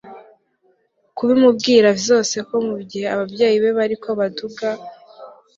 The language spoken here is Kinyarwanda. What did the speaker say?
kubimubwira vyose ko mugihe abavyeyi be bariko baduga